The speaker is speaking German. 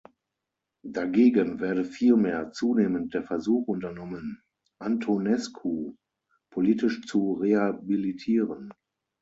Dagegen werde vielmehr zunehmend der Versuch unternommen, Antonescu politisch zu rehabilitieren.